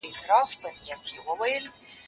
لاس د زهشوم له خوا مينځل کيږي؟